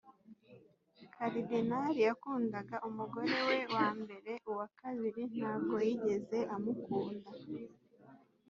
cardinal yakundaga umugore we wambere uwakabiri ntago yigeze amukunda